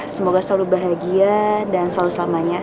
semoga selalu bahagia dan selalu selamanya